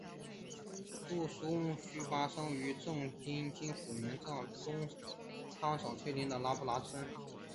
杜松虔巴生于藏历金虎年藏东康省崔休的拉达村。